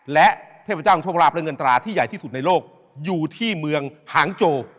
และเทพเจ้าของโชคลาภแรกที่สุดในโลกอยู่ที่มืองหางโจ